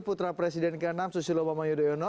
putra presiden ke enam susilo bama yudhoyono